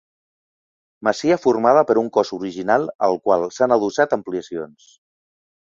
Masia formada per un cos original, al qual s'han adossat ampliacions.